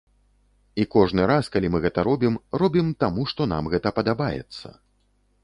І кожны раз, калі мы гэта робім, робім таму, што нам гэта падабаецца.